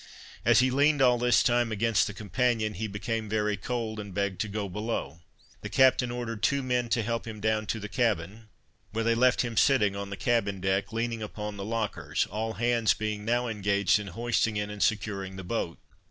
As he leaned all this time against the companion, he became very cold, and begged to go below; the captain ordered two men to help him down to the cabin, where they left him sitting on the cabin deck, leaning upon the lockers, all hands being now engaged in hoisting in and securing the boat.